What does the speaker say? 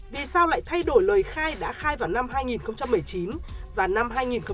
vì sao lại thay đổi lời khai đã khai vào năm hai nghìn một mươi chín và năm hai nghìn một mươi chín